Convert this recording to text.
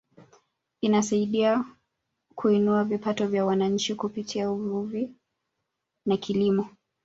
Inasaidia kuinua vipato vya wananchi kupitia uvuvi na kilimo